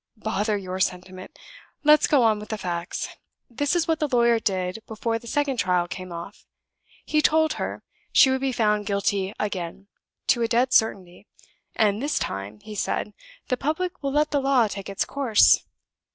Bother your sentiment! let's go on with the facts. This is what the lawyer did before the second trial came off. He told her she would be found guilty again, to a dead certainty. 'And this time,' he said, 'the public will let the law take its course.